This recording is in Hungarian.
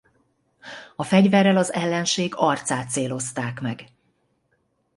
A fegyverrel az ellenség arcát célozták meg.